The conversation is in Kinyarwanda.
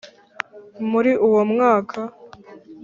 muri uwo mwaka